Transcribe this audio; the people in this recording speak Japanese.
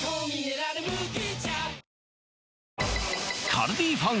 カルディファン